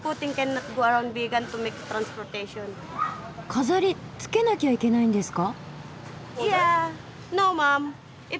飾りつけなきゃいけないんですか？